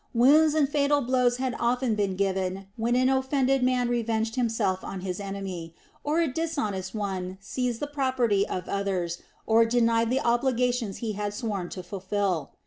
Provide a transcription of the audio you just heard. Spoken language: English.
Wounds and fatal blows had often been given when an offended man revenged himself on his enemy, or a dishonest one seized the property of others or denied the obligations he had sworn to fulfil.